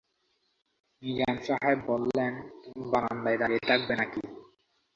নিজাম সাহেব বললেন, তুমি বারান্দায় দাঁড়িয়ে থাকবে নাকি?